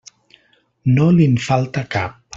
No li'n falta cap.